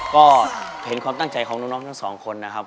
ก็เห็นความตั้งใจของน้องทั้งสองคนนะครับ